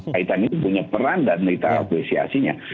kaitan ini punya peran dan minta apresiasinya